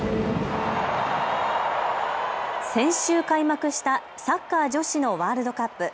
先週開幕したサッカー女子のワールドカップ。